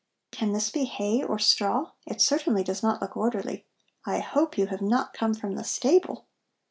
"Can this be hay or straw? It certainly does not look orderly. I hope you have not come from the stable!"